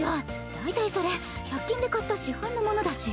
だいたいそれ１００均で買った市販のものだし。